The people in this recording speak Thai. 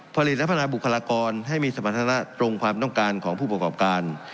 ผลิตและพัฒนาบุคลากรให้มีสมรรถนะตรงความต้องการของผู้ประกอบการ